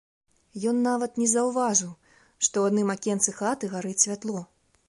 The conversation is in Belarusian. Ён нават не заўважыў, што ў адным акенцы хаты гарыць святло.